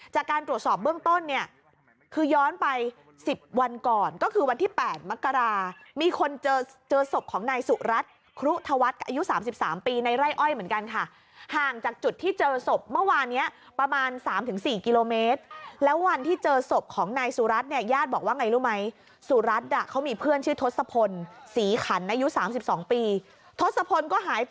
จากการตรวจสอบเบื้องต้นเนี้ยคือย้อนไปสิบวันก่อนก็คือวันที่แปดมกรามีคนเจอเจอศพของนายสุรัตน์ครุฑะวัดอายุสามสิบสามปีในไร่อ้อยเหมือนกันค่ะห่างจากจุดที่เจอศพเมื่อวานเนี้ยประมาณสามถึงสี่กิโลเมตรแล้ววันที่เจอศพของนายสุรัตน์เนี้ยญาติบอกว่าไงรู้ไหมสุรัตน์อ่ะเขามีเพื่อนช